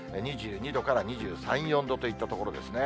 ２２度から２３、４度といったところですね。